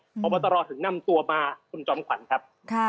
เพราะว่าตลอดถึงนำตัวมาคุณจอมขวัญครับ